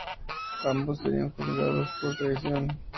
Ambos serían juzgados por traición.